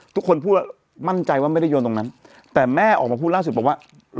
ทุกคนพูดมั่นใจว่าไม่ได้โยนตรงนั้นแต่แม่ออกมาพูดล่าสุดบอกว่า